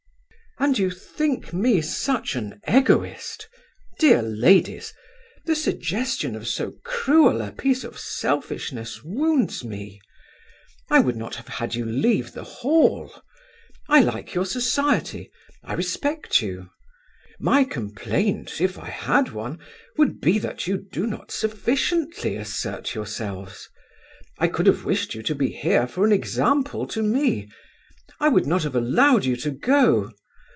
"And you think me such an Egoist! dear ladies! The suggestion of so cruel a piece of selfishness wounds me. I would not have had you leave the Hall. I like your society; I respect you. My complaint, if I had one, would be, that you do not sufficiently assert yourselves. I could have wished you to be here for an example to me. I would not have allowed you to go.